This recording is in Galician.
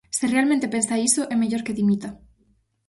Se realmente pensa iso é mellor que dimita.